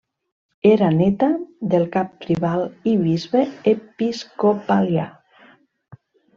Era néta del cap tribal i bisbe episcopalià.